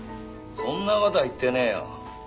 そんな事は言ってねえよ。